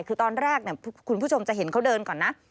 คือตอนแรกคุณผู้ชมจะเห็นเขาเดินก่อนนะ